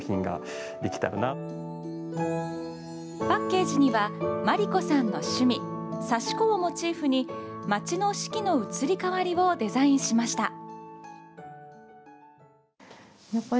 パッケージには真理子さんの趣味、刺し子をモチーフに町の四季の移り変わりをデザインしました。